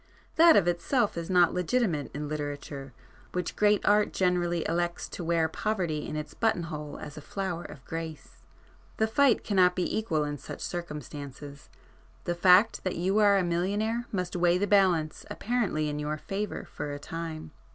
That of itself is not legitimate in Literature, which great art generally elects to wear poverty in its button hole as a flower of grace. The fight cannot be equal in such circumstances. The fact that you are a millionaire must weigh the balance apparently in your favour for a time.